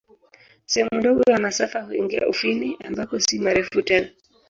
Sehemu ndogo ya masafa huingia Ufini, ambako si marefu tena.